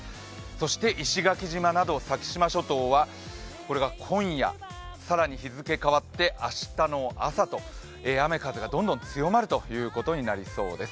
そして石垣島など先島諸島はこれが今夜、更に日付変わって明日の朝と雨・風がどんどん強まるということになりそうです。